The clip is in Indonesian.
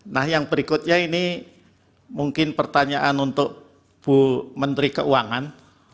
nah yang berikutnya ini mungkin pertanyaan untuk bu menteri keuangan